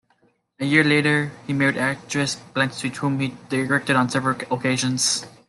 A year later he married actress Blanche Sweet, whom he directed on several occasions.